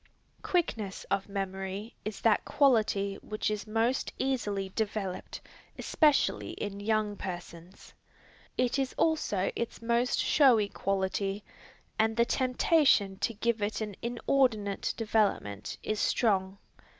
Quickness of memory is that quality which is most easily developed, especially in young persons. It is also its most showy quality, and the temptation to give it an inordinate development is strong.